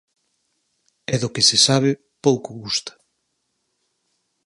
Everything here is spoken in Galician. E do que se sabe, pouco gusta.